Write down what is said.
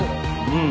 うん。